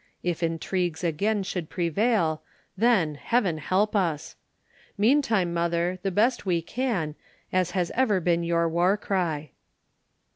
If intrigues again should prevail, then, Heaven help us! Meantime, mother, the best we can, as has ever been your war cry."